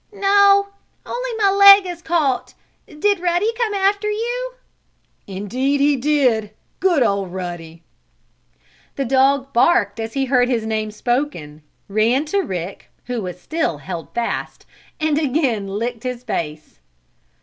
"No, only my leg is caught. Did Ruddy come after you?" "Indeed he did! Good old Ruddy!" The dog barked as he heard his name spoken, ran to Rick, who still was held fast, and again licked his face.